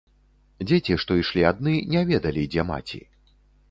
Дзеці, што ішлі адны, не ведалі, дзе маці.